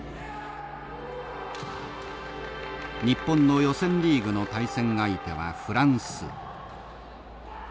日本の予選リーグの対戦相手はフランス。